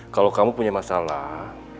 kalo kamu punya masalah